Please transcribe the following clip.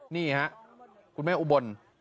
นี่ฮะคุณแม่อุบล